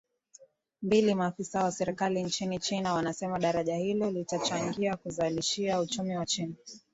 mbili Maafisa wa serikali nchini China wanasema daraja hilo litachangia kuuzalishia uchumi wa China